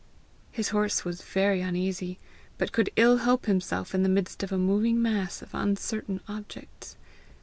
His horse was very uneasy, but could ill help himself in the midst of a moving mass of uncertain objects.